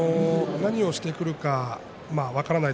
何をしてくるか分からないし